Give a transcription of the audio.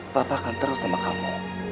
papa akan terus sama kamu